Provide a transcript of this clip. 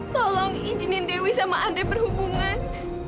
tolong izinin dewi sama andre berhubungan